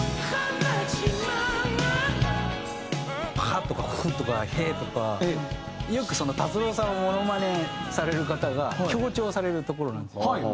「ハ」とか「フ」とか「ヘ」とかよく達郎さんをモノマネされる方が強調されるところなんですよ。